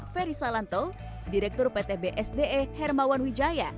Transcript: ferry salanto direktur pt bsde hermawan wijaya